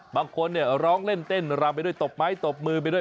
บางคนเนี่ยร้องเล่นเต้นรำไปด้วยตบไม้ตบมือไปด้วย